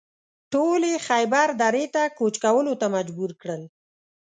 ټول یې خیبر درې ته کوچ کولو ته مجبور کړل.